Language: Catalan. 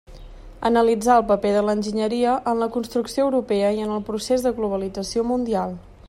Analitzar el paper de l'enginyeria en la construcció europea i en el procés de globalització mundial.